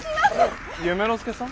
夢の助さん？